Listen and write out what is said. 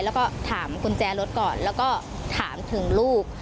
แล้วก็ถามกุญแจรถก่อนแล้วก็ถามถึงลูก